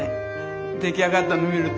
出来上がったの見ると。